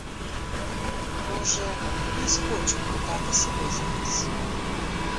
Може, я схочу продати себе й за вас.